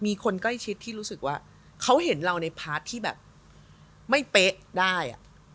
มีคนใกล้ชิดที่รู้สึกว่าเขาเห็นเราในพาร์ทที่แบบไม่เป๊ะได้